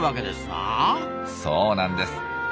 そうなんです。